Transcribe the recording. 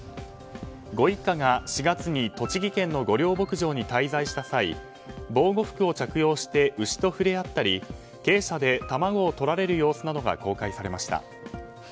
ご一家が４月に栃木県の御料牧場に滞在した際防護服を着用して牛と触れ合ったり、鶏舎で卵をとられる様子などが公開されました。